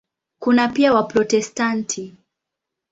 Kuna pia Waprotestanti.